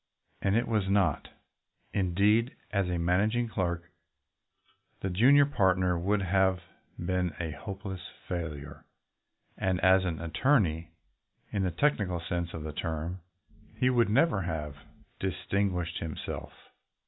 And it was not. Indeed, as a managing clerk the junior partner would have been a hopeless failure, and as an attorney, in the technical sense of the term, he would never have distinguished himself.